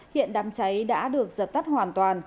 hiện đám cháy đã được giật tắt hoàn toàn